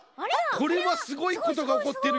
これはすごいことがおこってるよ。